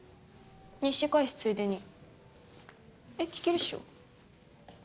日誌返すついでにえっ聞けるっしょ？